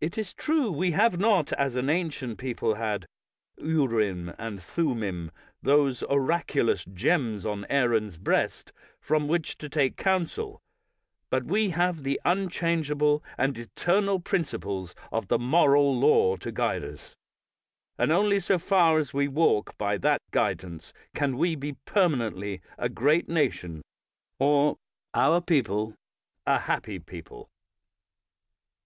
It is true we have not, as an ancient people had, Urim and Thummim — those oracu lous gems on Aaron's breast — from which to take counsel, but we have the unchangeable and eternal principles of the moral law to guide us, and only so far as we walk by that guidance can we be permanently a great nation, or our people a happy people.